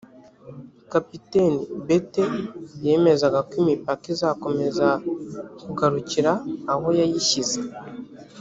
kapiteni bethe yemezaga ko imipaka izakomeza kugarukira ku aho yayishyize